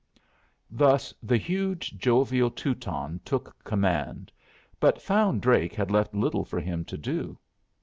Thus the huge, jovial Teuton took command, but found Drake had left little for him to do.